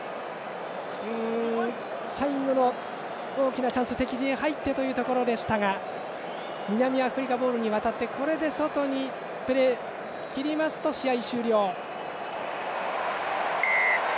最後の大きなチャンス、敵陣に入ってというところでしたが南アフリカボールに渡ってこれで外に出てプレーが切れますと試合終了。